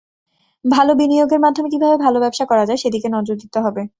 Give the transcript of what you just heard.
ভালো বিনিয়োগের মাধ্যমে কীভাবে ভালো ব্যবসা করা যায়, সেদিকে নজর দিতে হবে।